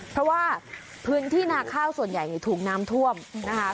เพราะว่าพื้นที่นาข้าวส่วนใหญ่ถูกน้ำท่วมนะคะ